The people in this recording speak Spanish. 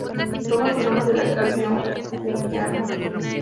Toma su nombre de la expresión junguiana.